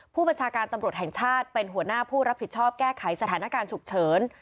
ผู้บัญชาการตำรวจแห่งชาติเป็นหัวหน้าผู้รับผิดชอบแก้ไขสถานการณ์ฉุกเฉิน